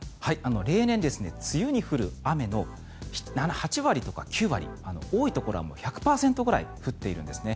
例年、梅雨に降る雨の８割とか９割多いところは１００％ぐらい降っているんですね。